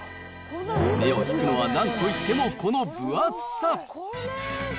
目を引くのはなんといっても、この分厚さ。